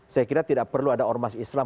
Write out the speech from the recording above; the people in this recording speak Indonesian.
saya kira tidak perlu ada ormas islam